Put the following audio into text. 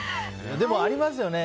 でも、ありますよね。